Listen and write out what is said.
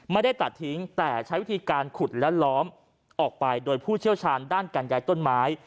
ไม่ได้ตัดทิ้งแต่ใช้วิธีการขุดและล้อมออกไปโดยผู้เชี่ยวชาญด้านการย้ายต้นไม้